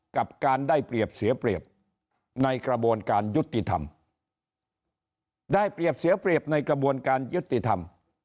กับการได้เปรียบเสียเปรียบในกระบวนการยุติธรรมได้เปรียบเสียเปรียบในกระบวนการยุติธรรม